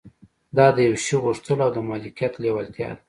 دا د يوه شي غوښتل او د مالکيت لېوالتيا ده.